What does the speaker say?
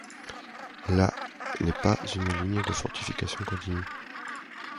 La ' n’est pas une ligne de fortifications continue.